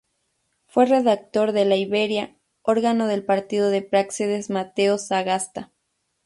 Fue redactor de "La Iberia", órgano del partido de Práxedes Mateo Sagasta.